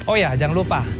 oh ya jangan lupa